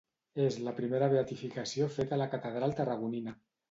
És la primera beatificació feta a la catedral tarragonina.